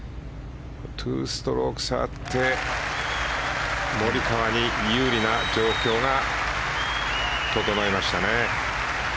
２ストローク差あってモリカワに有利な状況が整いましたね。